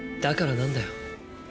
だからなんだよ。